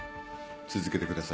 続けてください。